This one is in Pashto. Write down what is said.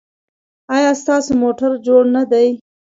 ایا ستاسو موټر جوړ نه دی؟